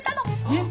えっ！？